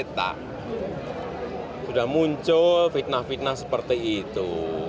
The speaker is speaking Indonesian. sudah muncul fitnah fitnah seperti itu